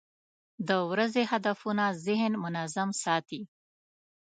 د ورځې هدفونه ذهن منظم ساتي.